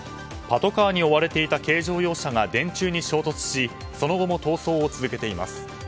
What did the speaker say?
パトカーに追われていた軽乗用車が電柱に衝突しその後も逃走を続けています。